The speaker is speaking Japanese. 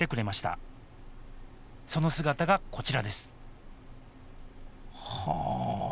その姿がこちらですは